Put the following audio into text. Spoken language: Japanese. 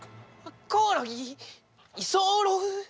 コオロギ？居候？